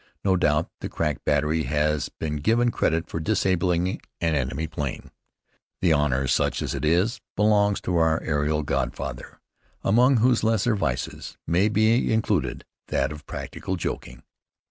No doubt the crack battery has been given credit for disabling an enemy plane. The honor, such as it is, belongs to our aerial godfather, among whose lesser vices may be included that of practical joking.